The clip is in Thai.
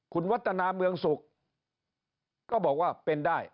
คุณวัฒนาเมืองสุขก็บอกว่าเป็นได้